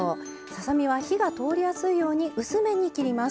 ささ身は火が通りやすいように薄めに切ります。